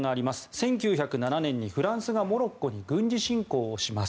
１９０７年にフランスがモロッコに軍事侵攻をします。